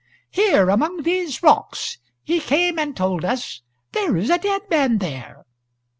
"Here, among these rocks. He came and told us, 'There is a dead man there.'